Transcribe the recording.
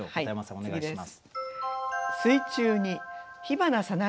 お願いします。